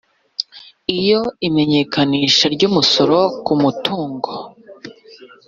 iyo imenyekanisha ry umusoro ku mutungo